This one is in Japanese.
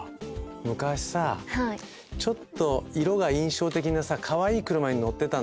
昔さちょっと色が印象的なさかわいい車に乗ってたんだよ。